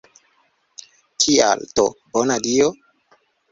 Kial do, bona Dio?